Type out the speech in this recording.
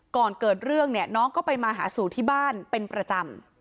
ก่อนเกิดเรื่องเนี่ยน้องก็ไปมาหาสู่ที่บ้านเป็นประจำ